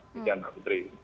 begitu mbak putri